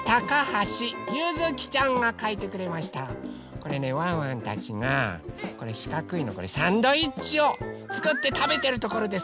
これねワンワンたちがこれしかくいのこれサンドイッチをつくってたべてるところです。